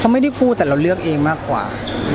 เขาไม่ได้พูดแต่เราเลือกเองมากกว่า